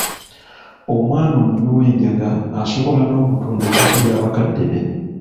Omwana omunywi w’enjaga asobola n’okutunda ettaka lya bakadde be.